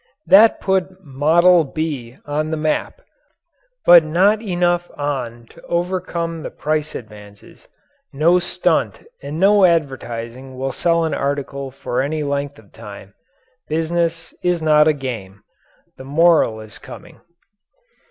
That put "Model B" on the map but not enough on to overcome the price advances. No stunt and no advertising will sell an article for any length of time. Business is not a game. The moral is coming.